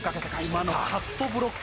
今のカットブロック。